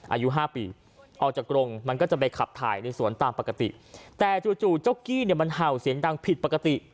อายุห้าปีออกจากกรงมันก็จะไปขับถ่ายในสวนตามปกติแต่จู่จู่เจ้ากี้เนี่ยมันเห่าเสียงดังผิดปกติ